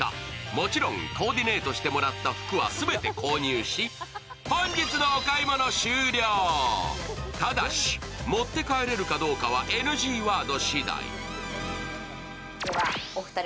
もちろん、コーディネートしてもらった服は全て購入しただし、持って帰れるかどうかはＮＧワードしだい。